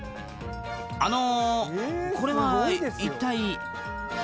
あのこれは一体？